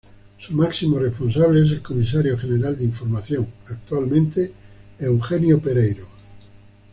Su máximo responsable es el Comisario General de Información, actualmente Eugenio Pereiro.